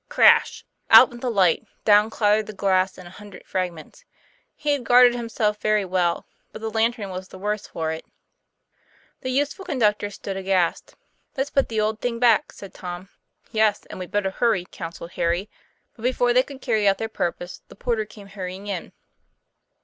Crash! out went the light, down clattered the glass in a hundred fragments. He had guarded himself very well ; but the lantern was the worse for it. The youthful conductors stood aghast. '* Let's put the old thing back," said Tom. 'Yes; and we'd better hurry," counselled Harry. But before they could carry out their purpose, the porter came hurrying in.